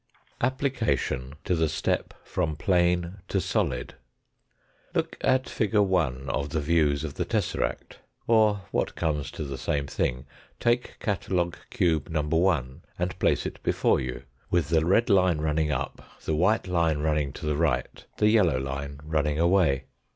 APPLICATION TO THE STEP FROM PLANE TO SOLID. Look at fig. 1 of the views of the tesseract, or, what comes to the same thing, take catalogue cube No. 1 and place it before you with the red line running up, the white line running to the right, the yellow line running away.